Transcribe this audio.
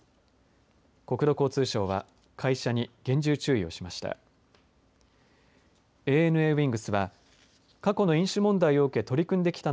国土交通省は、会社に厳重注意をしました。